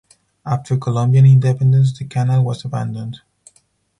After Colombian independence, the canal was abandoned.